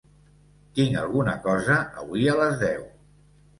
Tinc alguna cosa avui a les deu?